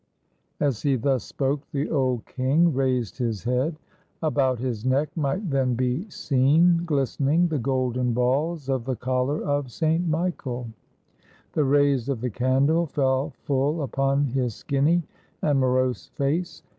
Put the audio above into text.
As he thus spoke, the old king raised his head. About his neck might then be seen glistening the golden balls 205 FRANCE of the collar of St. Michael. The rays of the candle fell full upon his skinny and morose face.